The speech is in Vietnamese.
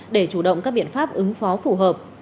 để chủ động các biện pháp ứng phó phù hợp